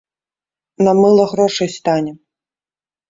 На мыла грошай стане.